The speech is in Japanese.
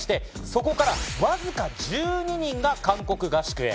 そこからわずか１２人が韓国合宿へ。